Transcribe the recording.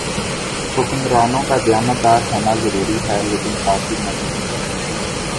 حکمرانوں کا دیانتدار ہونا ضروری ہے لیکن کافی نہیں۔